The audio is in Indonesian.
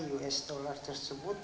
us dollar tersebut